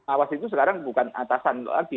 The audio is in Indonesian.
awas itu sekarang bukan atasan lagi